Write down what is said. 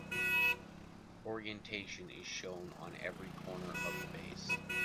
Orientation is shown on every corner of the base.